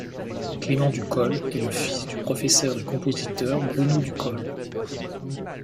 Clément Ducol est le fils du professeur et compositeur Bruno Ducol.